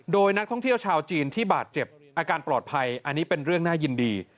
โดยนักท่องเที่ยวชาวจีนที่บาดเจ็บอาการปลอดภัยอันนี้เป็นเรื่องน่ายินดี